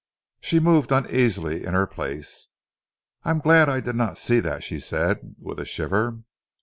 She moved uneasily in her place. "I am glad I did not see that," she said, with a shiver.